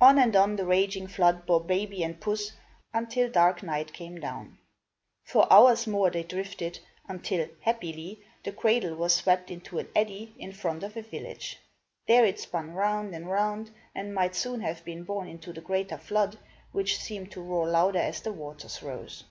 On and on, the raging flood bore baby and puss, until dark night came down. For hours more they drifted until, happily, the cradle was swept into an eddy in front of a village. There it spun round and round, and might soon have been borne into the greater flood, which seemed to roar louder as the waters rose.